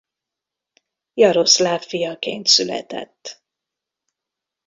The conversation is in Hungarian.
Jaroszláv fiaként született.